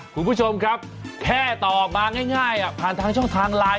คุณผู้ชมครับแค่ตอบมาง่ายผ่านทางช่องทางไลน์